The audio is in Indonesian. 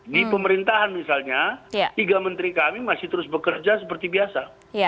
di pemerintahan misalnya tiga menteri kami masih terus bekerja seperti biasa